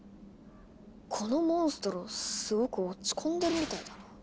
このモンストロすごく落ち込んでるみたいだな。